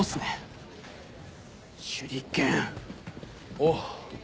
おう。